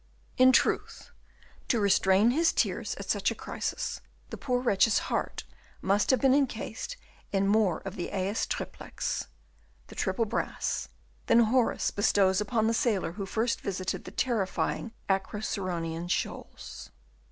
In truth, to restrain his tears at such a crisis the poor wretch's heart must have been encased in more of the aes triplex "the triple brass" than Horace bestows upon the sailor who first visited the terrifying Acroceraunian shoals.